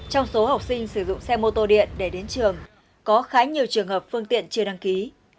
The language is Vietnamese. trong số học sinh sử dụng xe mô tô điện để đến trường có khá nhiều trường hợp phương tiện chưa đăng ký